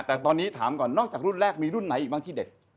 แต่ตอนนี้ถามก่อนนอกจากรุ่นแรกมีรุ่นไหนอีกบ้างที่เด็ด